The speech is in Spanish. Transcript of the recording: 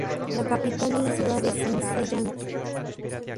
La capital es la ciudad de Siyəzən.